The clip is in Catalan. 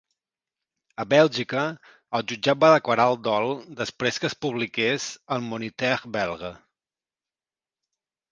A Bèlgica, el jutjat va declarar el dol després que es publiqués al Moniteur Belge.